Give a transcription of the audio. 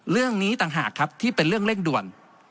เรื่องนี้ต่างหากครับที่เป็นเรื่องเร่งด่วน